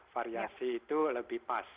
variasi itu lebih pas